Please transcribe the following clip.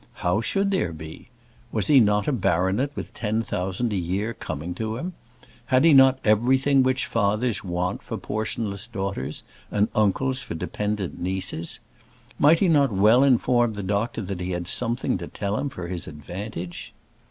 How should there be? Was he not a baronet with ten thousand a year coming to him? Had he not everything which fathers want for portionless daughters, and uncles for dependant nieces? Might he not well inform the doctor that he had something to tell him for his advantage?